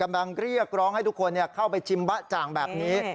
กำลังเรียกร้องให้ทุกคนเนี่ยเข้าไปชิมบะจ่างแบบนี้